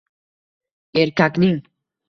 erkakning.